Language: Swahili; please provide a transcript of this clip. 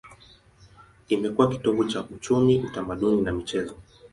Imekuwa kitovu cha uchumi, utamaduni na michezo.